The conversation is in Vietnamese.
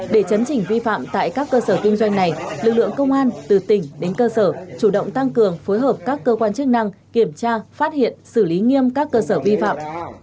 để chấn chỉnh vi phạm tại các cơ sở kinh doanh này lực lượng công an từ tỉnh đến cơ sở chủ động tăng cường phối hợp các cơ quan chức năng kiểm tra phát hiện xử lý nghiêm các cơ sở vi phạm